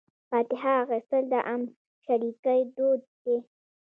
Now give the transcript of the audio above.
فاتحه اخیستل د غمشریکۍ دود دی.